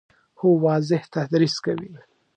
هو، واضح تدریس کوي